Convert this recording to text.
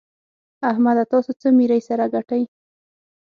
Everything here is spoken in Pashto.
احمده! تاسو څه ميرۍ سره ګټئ؟!